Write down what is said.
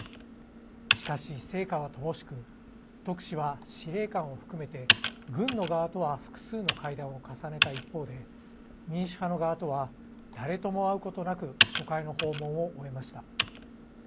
しかし、成果は乏しく特使は、司令官を含めて軍の側とは複数の会談を重ねた一方で民主派の側とは誰とも会うことなく初回の訪問を終えました。